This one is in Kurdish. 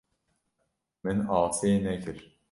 Min asê nekir.